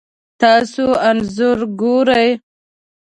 تاسو انځور ګورئ